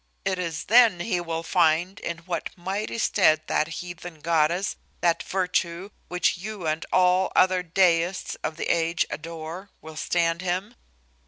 It is then he will find in what mighty stead that heathen goddess, that virtue, which you and all other deists of the age adore, will stand him.